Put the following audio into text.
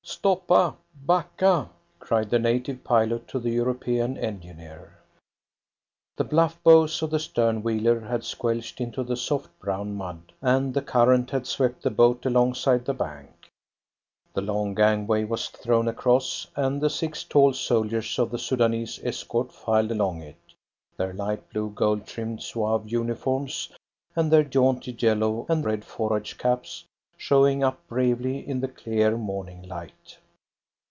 "Stoppa! Backa!" cried the native pilot to the European engineer. The bluff bows of the stern wheeler had squelched into the soft brown mud, and the current had swept the boat alongside the bank. The long gangway was thrown across, and the six tall soldiers of the Soudanese escort filed along it, their light blue gold trimmed zouave uniforms, and their jaunty yellow and red forage caps, showing up bravely in the clear morning light.